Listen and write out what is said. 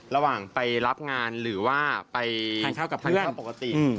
ระหว่างไปรับงานหรือว่าไปทางเท้ากับเพื่อน